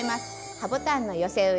ハボタンの寄せ植え